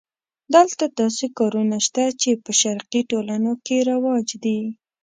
دلته داسې کارونه شته چې په شرقي ټولنو کې رواج دي.